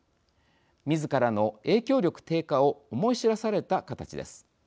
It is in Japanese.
みずからの影響力低下を思い知らされた形です。